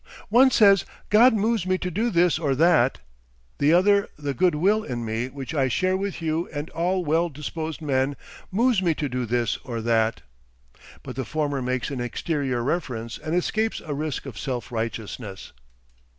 One says God moves me to do this or that; the other the Good Will in me which I share with you and all well disposed men, moves me to do this or that. But the former makes an exterior reference and escapes a risk of self righteousness.